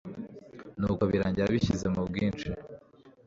nuko birangira abishyize mu bwinshi